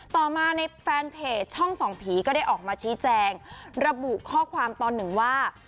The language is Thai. ต่อมาในแฟนเพจช่องส่องผีก็ได้ออกมาชี้แจงระบุข้อความตอนหนึ่งว่า